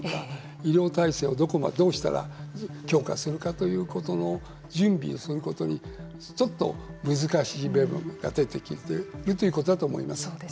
医療体制をどうして強化するかということの準備をすることがちょっと難しい部分が出てきているということだと思います。